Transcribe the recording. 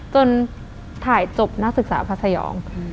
จนถ่ายจบหน้าศึกษาภาษยอง